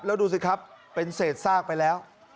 แล้วดูสิครับเป็นเศษซากไปแล้ว